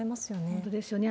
本当ですよね。